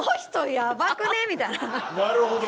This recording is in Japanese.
なるほど。